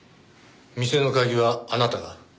店の鍵はあなたが？